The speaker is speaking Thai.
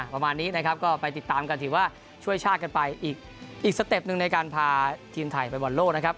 ประมาณนี้นะครับก็ไปติดตามกันถือว่าช่วยชาติกันไปอีกสเต็ปหนึ่งในการพาทีมไทยไปบอลโลกนะครับ